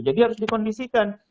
jadi harus dikondisikan